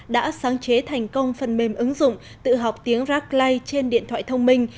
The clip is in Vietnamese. đã sáng chế thành công phần mềm ứng dụng tự học tiếng racklay trên điện thoại thông minh